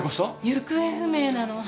行方不明なの。